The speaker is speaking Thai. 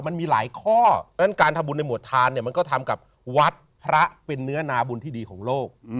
มันมีหลายข้อเพราะฉะนั้นการทำบุญในหมวดทานเนี่ยมันก็ทำกับวัดพระเป็นเนื้อนาบุญที่ดีของโลก